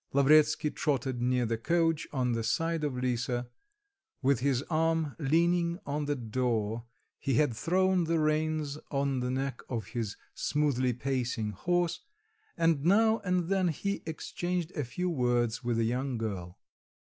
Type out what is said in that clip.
Lavretsky trotted near the coach on the side of Lisa, with his arm leaning on the door he had thrown the reigns on the neck of his smoothly pacing horse and now and then he exchanged a few words with the young girl.